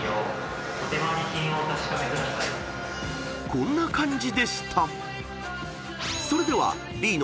［こんな感じでした］